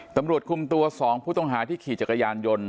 ตำรวจคุมตัว๒ผู้ต้องหาที่ขี่จักรยานยนต์